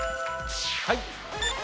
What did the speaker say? はい。